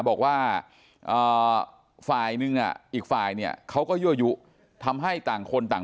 บอกว่าฝ่ายหนึ่งอีกฝ่ายเนี่ยเขาก็ยั่วยุทำให้ต่างคนต่าง